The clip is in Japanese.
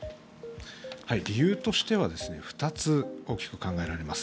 理由としては２つ大きく考えられます。